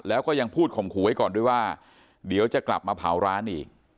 แล้วก็ยังพูดข่มขู่ไว้ก่อนด้วยว่าเดี๋ยวจะกลับมาเผาร้านอีก